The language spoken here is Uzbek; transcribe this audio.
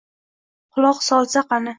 Quloq solsa qani!